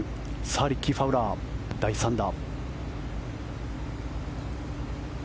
さあ、リッキー・ファウラー第３打。